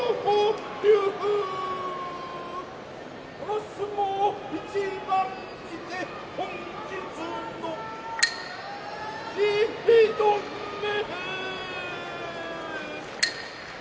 この相撲一番にて本日の打ち止め！